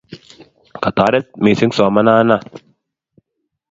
Kotoret missing' somana na